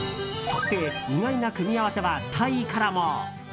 そして、意外な組み合わせはタイからも。